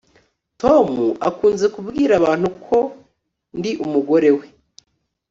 tom akunze kubwira abantu ko ndi umugore we